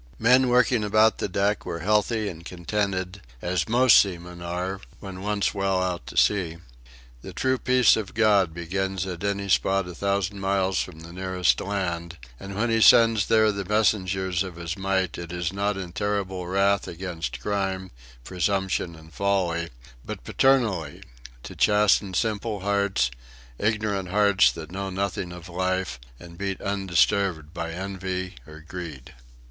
The men working about the deck were healthy and contented as most seamen are, when once well out to sea. The true peace of God begins at any spot a thousand miles from the nearest land; and when He sends there the messengers of His might it is not in terrible wrath against crime, presumption, and folly, but paternally, to chasten simple hearts ignorant hearts that know nothing of life, and beat undisturbed by envy or greed.